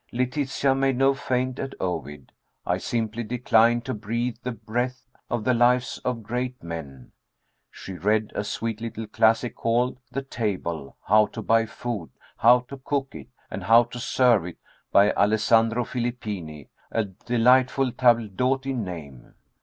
Letitia made no feint at Ovid. I simply declined to breathe the breath of The Lives of Great Men. She read a sweet little classic called "The Table; How to Buy Food, How to Cook It, and How to Serve It," by Alessandro Filippini a delightful table d'hôte y name.